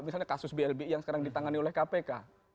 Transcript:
misalnya kasus blbi yang sekarang ditangani oleh kpk